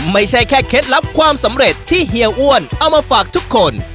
ไม่ใช่แค่เคล็ดลับความสำเร็จที่เฮียอ้วนเอามาฝากทุกคน